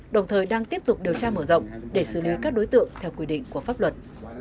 đồng thời đang tiếp tục điều tra mở rộng để xử lý các đối tượng theo quy định của pháp luật